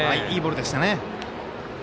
いいボールでしたね。